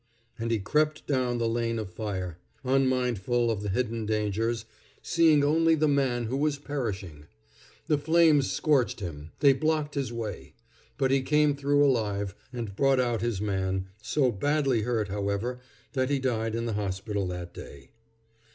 And he crept down the lane of fire, unmindful of the hidden dangers, seeing only the man who was perishing. The flames scorched him; they blocked his way; but he came through alive, and brought out his man, so badly hurt, however, that he died in the hospital that day.